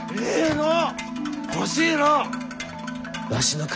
のう？